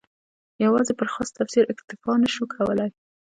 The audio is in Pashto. یوازې پر خاص تفسیر اکتفا نه شو کولای.